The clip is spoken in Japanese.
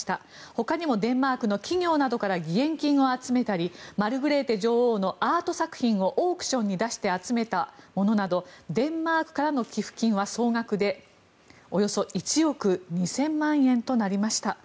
ほかにもデンマークの企業などから義援金を集めたりマルグレーテ女王のアート作品をオークションに出して集めたものなどデンマークからの寄付金は総額でおよそ１億２０００万円となりました。